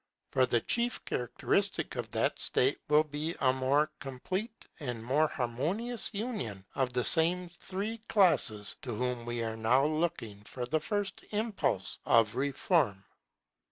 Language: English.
For the chief characteristic of that state will be a more complete and more harmonious union of the same three classes to whom we are now looking for the first impulse of reform.